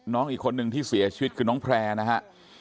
น้องอีกคนนึงที่เสียชีวิตคือน้องแพร่นะฮะ